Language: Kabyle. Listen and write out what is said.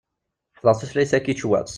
Ḥeffḍeɣ tulayt takičwatt.